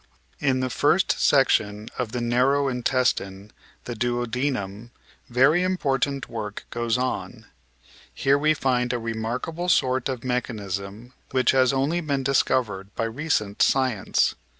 In the first section of the narrow intestine, the duodenum, very important work goes on. Here we find a remarkable sort of mechanism which has only been discovered by recent science.